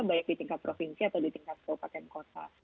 baik di tingkat provinsi atau di tingkat kabupaten kota